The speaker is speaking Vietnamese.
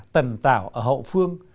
tần tạo ở hậu phương